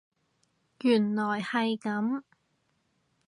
原來係咁